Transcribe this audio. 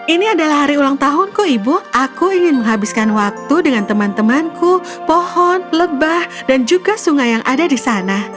ini adalah hari ulang tahunku ibu aku ingin menghabiskan waktu dengan teman temanku pohon lebah dan juga sungai yang ada di sana